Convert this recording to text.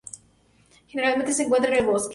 Generalmente se encuentran en el bosque.